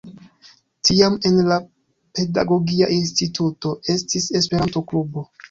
Tiam en la Pedagogia Instituto estis Esperanto-klubo.